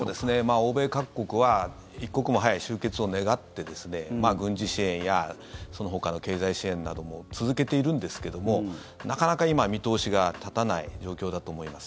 欧米各国は一刻も早い終結を願って軍事支援やそのほかの経済支援なども続けているんですけどもなかなか今、見通しが立たない状況だと思います。